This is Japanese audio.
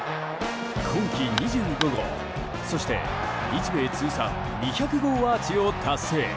今季２５号、そして日米通算２００号アーチを達成。